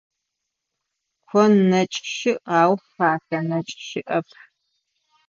Кон нэкӀ щыӀ, ау хэтэ нэкӀ щыӀэп.